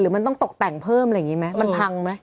มันต้องตกแต่งเพิ่มอะไรอย่างนี้ไหมมันพังไหม